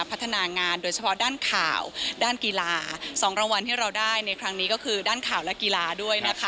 รายการรวบรวมข้อมูลข่าวสาร